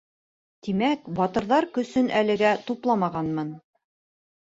Тимәк, батырҙар көсөн әлегә тупламағанмын.